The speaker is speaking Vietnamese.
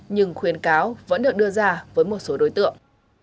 nhưng khuyên cáo vẫn được đưa ra với một số đối tượng